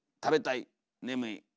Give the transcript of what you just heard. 食べたい眠い」。